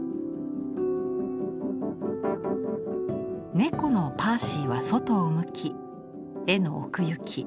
猫のパーシーは外を向き絵の奥行き